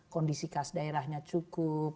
kondisi kas daerahnya cukup